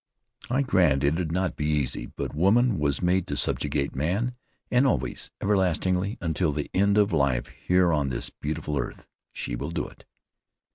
"I grant it'd not be easy, but woman was made to subjugate man, and always, everlastingly, until the end of life here on this beautiful earth, she will do it."